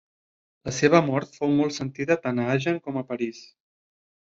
La seva mort fou molt sentida tant a Agen com a París.